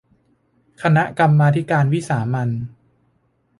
คณะกรรมาธิการวิสามัญ